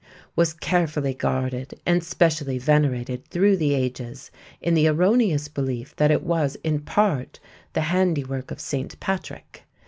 was carefully guarded and specially venerated through the ages in the erroneous belief that it was in part the handiwork of St. Patrick.